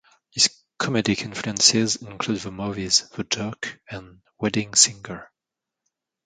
His comedic influences include the movies "The Jerk" and "The Wedding Singer".